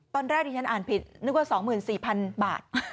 ตอนแรกที่ฉันอ่านผิดนึกว่า๒๔๐๐๐บาท